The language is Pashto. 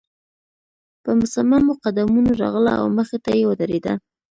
په مصممو قدمونو راغله او مخې ته يې ودرېده.